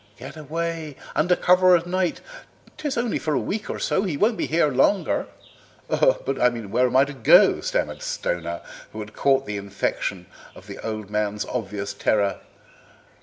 Get away under cover of night, 'tis only for a week or so, he won't be here longer." "But where am I to go?" stammered Stoner, who had caught the infection of the old man's obvious terror.